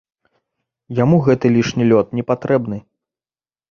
Яму гэты лішні лёд непатрэбны.